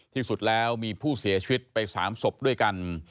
ที่สุดแล้วมีผู้เสียชีวิตไป๓ศพด้วยกัน